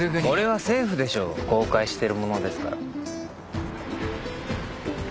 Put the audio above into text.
これはセーフでしょ公開してるものですから。